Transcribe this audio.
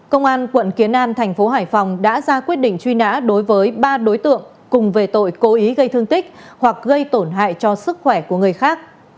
công an quận kiến an thành phố hải phòng đã ra quyết định truy nã đối với ba đối tượng cùng về tội cố ý gây thương tích hoặc gây tổn hại cho sức khỏe của người khác